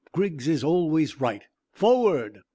"Griggs is always right. Forward!"